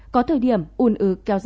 có thời điểm un ứ kéo dài